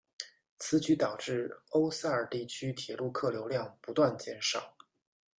此举导致欧塞尔地区铁路客流量不断减少。